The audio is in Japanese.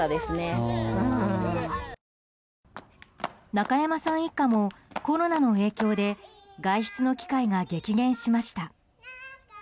中山さん一家もコロナの影響で外出の機会が激減しました。